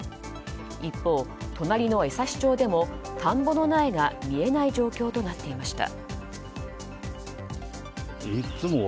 一方、隣の江差町でも田んぼの苗が見えない状況となっていました。